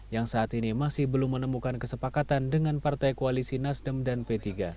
yang saat ini masih belum menemukan kesepakatan dengan partai koalisi nasdem dan p tiga